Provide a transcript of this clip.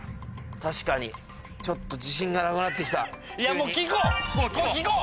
確かにちょっと自信がなくなって来た。